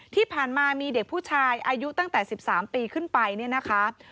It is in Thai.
ที่ผ่านมามีเด็กผู้ชายอายุตั้งแต่๑๓ปีขึ้นไปเนี่ยนะคะ